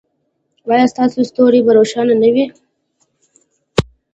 ایا ستاسو ستوری به روښانه نه وي؟